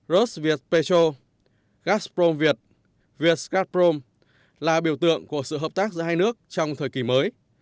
rus viet petro gasprom viet viet gasprom là biểu tượng của sự hợp tác giữa hai nước trong thời kỳ mới